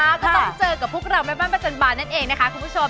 ก็ต้องเจอกับพวกเราแม่บ้านประจันบาลนั่นเองนะคะคุณผู้ชม